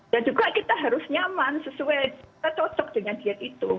dan juga kita harus nyaman sesuai kita cocok dengan diet itu